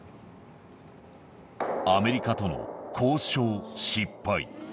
アメリカとの交渉失敗。